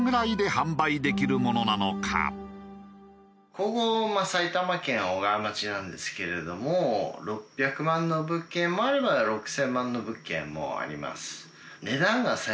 ここ埼玉県小川町なんですけれども６００万の物件もあれば６０００万の物件もあります。